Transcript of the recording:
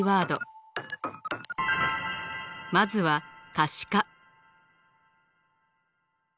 まずは可視化。